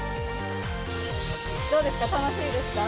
どうですか、楽しいですか？